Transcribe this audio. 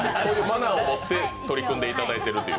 マナーを持って取り組んでいただいているという。